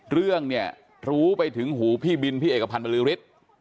เรื่องเนี่ยรู้ไปถึงหูพี่บินพี่เอกพันธ์บริฤทธิ์